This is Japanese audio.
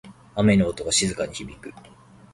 雨の音が静かに響く。